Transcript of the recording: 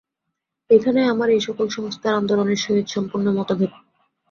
এইখানেই আমার এই-সকল সংস্কার-আন্দোলনের সহিত সম্পূর্ণ মতভেদ।